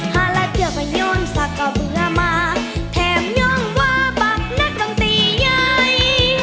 หาละเกือบไปโยนสักก็เบื่อมาแถมย้องว่าปะนักร้องตียาย